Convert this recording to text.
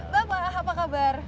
bapak apa kabar